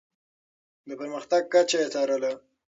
د پرمختګ کچه يې څارله.